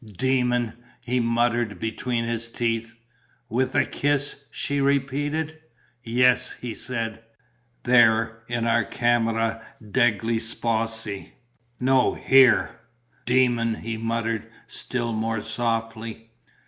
"Demon!" he muttered, between his teeth. "With a kiss?" she repeated. "Yes," he said. "There, in our camera degli sposi." "No, here." "Demon!" he muttered, still more softly.